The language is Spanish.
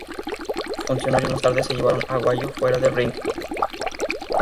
Funcionarios más tarde se llevaron a Aguayo fuera del ring.